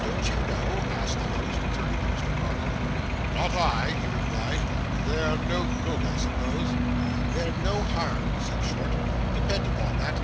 'Don't you know?' asked the host, turning to Mr Codlin. 'Not I,' he replied. 'They're no good, I suppose.' 'They're no harm,' said Short. 'Depend upon that.